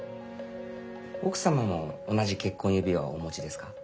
奥様も同じ結婚指輪をお持ちですか？